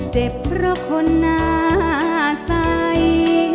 เจ็บเพราะคนหน้าใส